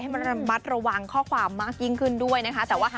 ระมัดระวังข้อความมากยิ่งขึ้นด้วยนะคะ